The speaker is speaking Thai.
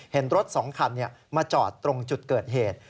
เห็นรถ๒คันมาจอดตรงจุดเกิดเหตุ